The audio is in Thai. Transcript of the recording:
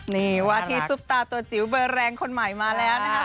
นี่วาที่ซุปตาตัวจิ๋วเบอร์แรงคนใหม่มาแล้วนะคะ